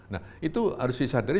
nah itu harus disadari